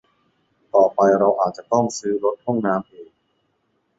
ต่อไปเราอาจจะต้องซื้อรถห้องน้ำเอง